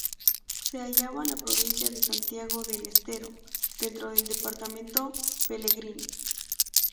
Se hallaba en la provincia de Santiago del Estero, dentro del Departamento Pellegrini.